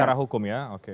secara hukum ya oke